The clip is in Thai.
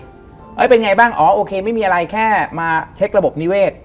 เป็นอย่างไรบ้างโอเคไม่มีอะไรแค่มาเช็คระบบนิเวศ